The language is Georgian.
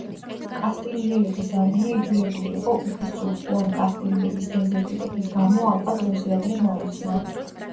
კასტილიელების არმია იძულებული იყო უფლისწულ ხუან კასტილიელის დეზერტირობის გამო ალყა დროზე ადრე მოეხსნა.